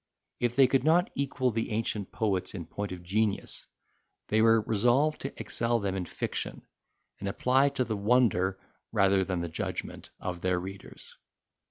If they could not equal the ancient poets in point of genius they were resolved to excel them in fiction, and apply to the wonder, rather than the judgment, of their readers.